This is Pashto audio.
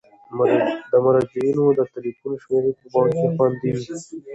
د مراجعینو د تلیفون شمیرې په بانک کې خوندي وي.